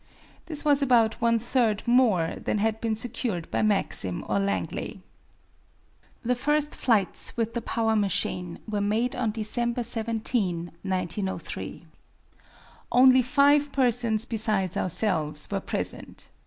This was about one third more than had been secured by Maxim or Langley. The first flights with the power machine were made on December 17, 1903. Only five persons besides ourselves were present.